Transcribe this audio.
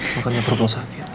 makanya perlu sakit